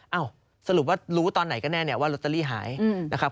สรุปว่ารู้ตอนไหนก็แน่เนี่ยว่าลอตเตอรี่หายนะครับ